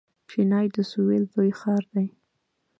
چنای د سویل لوی ښار دی.